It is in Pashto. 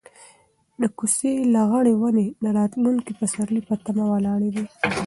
د کوڅې لغړې ونې د راتلونکي پسرلي په تمه ولاړې دي.